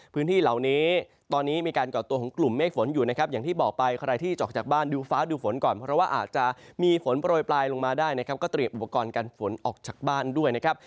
พื้นที่เหล่านี้ตอนนี้มีการก่อตัวของกลุ่มเมฆฝนอยู่นะครับอย่างที่บอกไปใครที่จะออกจากบ้านดูฟ้าดูฝนก่อนเพราะว่าอาจจะมีฝนโปรยปลายลงมาได้นะครับก็เตรียมอุปกรณ์กันฝนออกจากบ้านด้วยนะครับ